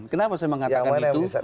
kenapa saya mengatakan itu